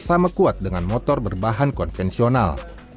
sama kuat dengan motor berbahan konvensional